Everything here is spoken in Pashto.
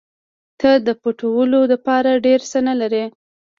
ته د پټولو دپاره ډېر څه نه لرې.